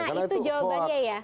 nah itu jawabannya ya